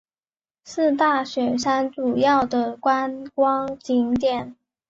是大雪山主要的观光景点。